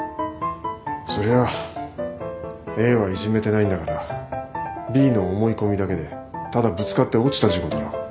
そりゃＡはいじめてないんだからＢの思い込みだけでただぶつかって落ちた事故だろ。